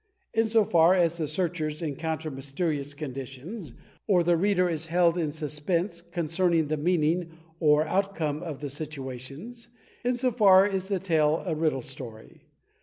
In so far as the searchers encoimter mysterious conditions, or the reader is held in suspense con cerning the meaning or outcome of the situations, in so far is the tale a Riddle Story.